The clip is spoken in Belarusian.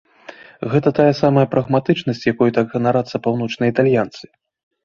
Гэта тая самая прагматычнасць, якой так ганарацца паўночныя італьянцы.